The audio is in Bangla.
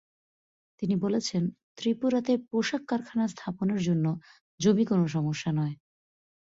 তিনি বলেছেন, ত্রিপুরাতে পোশাক কারখানা স্থাপনের জন্য জমি কোনো সমস্যা নয়।